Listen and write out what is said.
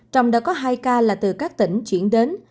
trong đó có hai ca là từ các tỉnh chuyển đến